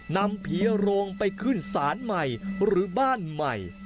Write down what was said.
นำผีโรงไปขึ้นศาลใหม่หรือบ้านใหม่